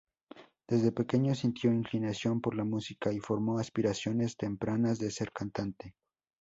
Desde pequeño sintió inclinación por la música y formó aspiraciones tempranas de ser cantante.